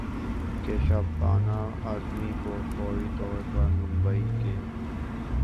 کہ شبانہ اعظمی کو فوری طور پر ممبئی کے